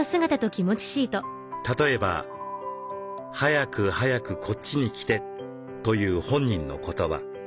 例えば「早く早くこっちに来て」という本人の言葉。